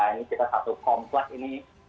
ini kita satu kompleks ini